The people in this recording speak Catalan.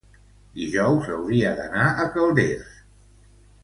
dijous hauria d'anar a Calders.